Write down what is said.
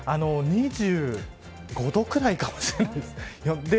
２５度ぐらいかもしれないです。